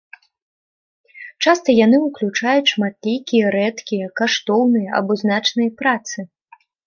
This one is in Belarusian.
Часта яны ўключаюць шматлікія рэдкія, каштоўныя, або значныя працы.